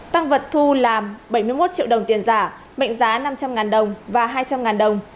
tăng vật thu là bảy mươi một triệu đồng tiền giả mệnh giá năm trăm linh đồng và hai trăm linh đồng